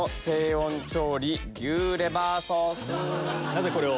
なぜこれを？